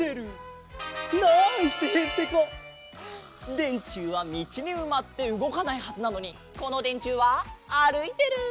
でんちゅうはみちにうまってうごかないはずなのにこのでんちゅうはあるいてる！